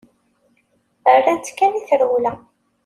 Rran-tt kan i trewla.